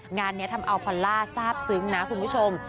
งานนี้ทำเอาพอลล่าทราบซึ้งนะคุณผู้ชม